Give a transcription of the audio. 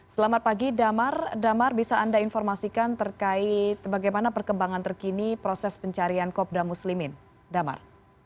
selamat pagi damar damar bisa anda informasikan terkait bagaimana perkembangan terkini proses pencarian kopda muslimin damar